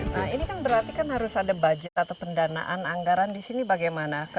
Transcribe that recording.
nah ini kan berarti kan harus ada budget atau pendanaan anggaran di sini bagaimana